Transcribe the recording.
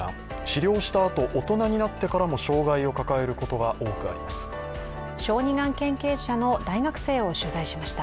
治療したあと大人になってからも障害を抱えることが多くあります。